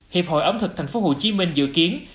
hiệp hội ẩm thực thành phố hồ chí minh dự kiến